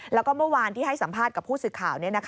แล้วก็เมื่อวานที่ให้สัมภาษณ์กับผู้สื่อข่าว